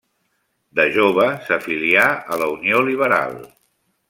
De jove s'afilià a la Unió Liberal.